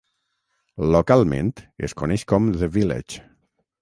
Localment, es coneix com "The Village".